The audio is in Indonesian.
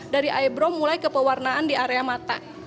dari eyebrow mulai ke pewarnaan di area mata